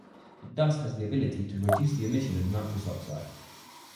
It thus has the ability to reduce the emission of nitrous oxide.